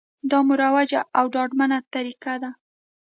دا مروجه او ډاډمنه طریقه ده